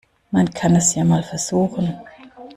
Man kann es ja mal versuchen.